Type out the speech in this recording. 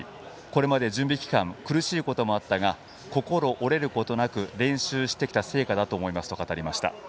これまで準備期間苦しいこともあったが心折れることなく練習してきた成果だと思いますと語りました。